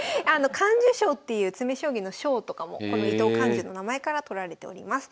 看寿賞っていう詰将棋の賞とかもこの伊藤看寿の名前からとられております。